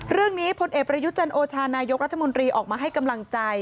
เรื่องนี้พลเอกประยุจรรย์โอชานายกรัฐมนตรีออกมาให้กำลังใจ